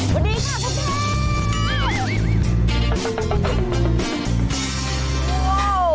สวัสดีค่ะปุ๊กเทพ